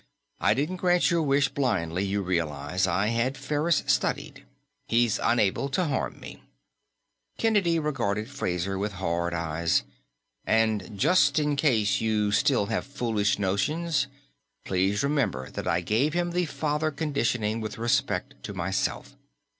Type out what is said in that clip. I didn't grant your wish blindly, you realize. I had Ferris studied; he's unable to harm me." Kennedy regarded Fraser with hard eyes. "And just in case you still have foolish notions, please remember that I gave him the father conditioning with respect to myself.